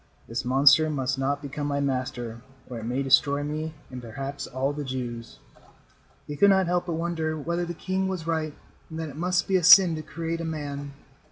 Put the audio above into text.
"This monster must not become my master, or it may destroy me and perhaps all the Jews." He could not help but wonder whether the king was right and that it must be a sin to create a man.